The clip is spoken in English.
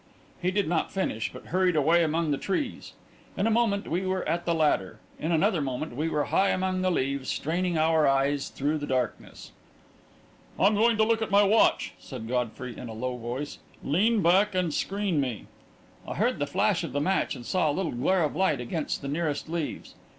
He did not finish, but hurried away among the trees. In a moment we were at the ladder; in another moment we were high among the leaves, straining our eyes through the darkness. "I'm going to look at my watch," said Godfrey, in a low voice. "Lean back and screen me." I heard the flash of the match and saw a little glare of light against the nearest leaves.